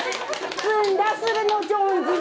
ずんだするの、上手だ。